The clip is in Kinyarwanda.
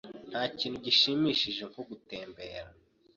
Ntakintu gishimishije nko gutembera.